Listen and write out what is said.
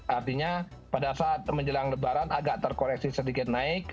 artinya pada saat menjelang lebaran agak terkoreksi sedikit naik